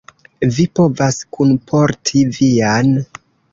Vi povas kunporti vian.